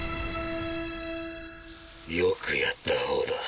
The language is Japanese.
よくやった方だ